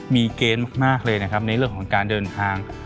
มีเกณฑ์มากเลยนะครับในเรื่องของการเดินทาง